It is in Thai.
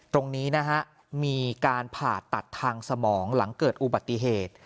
ตรงนี้นะฮะมีการผ่าตัดทางสมองหลังเกิดอุบัติเหตุ